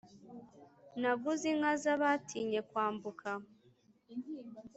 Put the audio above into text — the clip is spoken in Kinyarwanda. Naguze inka z'abatinye kwambuka